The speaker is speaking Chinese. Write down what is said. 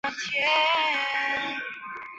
韦斯活在柴郡的南特威奇。